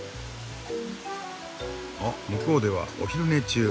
あ向こうではお昼寝中。